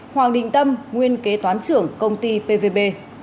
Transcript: hoàng đình tâm nguyên kế toán trưởng công ty pvb